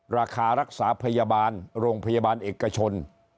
ราคารักษาพยาบาลโรงพยาบาลเอกชน